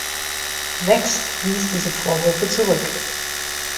Vext wies diese Vorwürfe zurück.